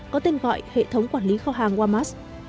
có tên gọi hệ thống quản lý kho hàng wamas